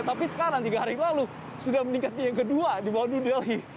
tapi sekarang tiga hari lalu sudah meningkatkan yang kedua di bawah nilai